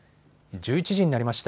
１１時になりました。